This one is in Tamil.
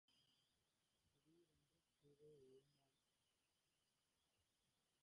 திடீரென்று கீழே விழந்தான்.